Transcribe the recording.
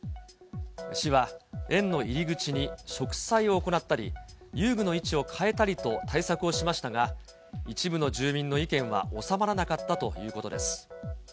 市は園の入り口に植栽を行ったり、遊具の位置を変えたりと、対策をしましたが、一部の住民の意見は収まらなかったということです。